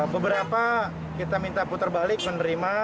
beberapa kita minta putar balik menerima